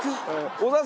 小澤さん